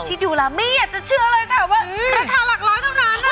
ที่ดูแล้วไม่อยากจะเชื่อเลยค่ะว่าราคาหลักร้อยเท่านั้นนะคะ